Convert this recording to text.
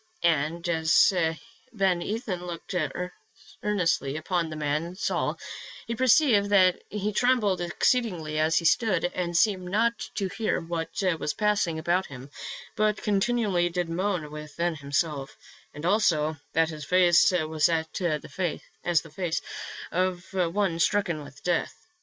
"" And as Ben Ethan looked earnestly upon the man Saul, he perceived that he trembled exceedingly as he stood, and seemed not to hear what was passing about him, but continually did moan within himself, and also that his face was as the face of one stricken with death.